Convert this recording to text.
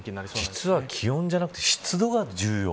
実は気温じゃなくて湿度が重要。